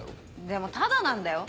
でもタダなんだよ？